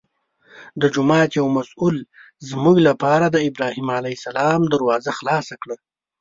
د جومات یو مسوول زموږ لپاره د ابراهیم علیه السلام دروازه خلاصه کړه.